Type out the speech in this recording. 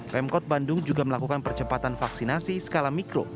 pemkot bandung juga melakukan percepatan vaksinasi skala mikro